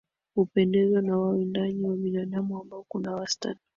hupendezwa na wawindaji wa binadamu ambao kuna wastani